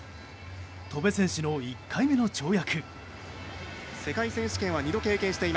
戸邉選手の１回目の跳躍。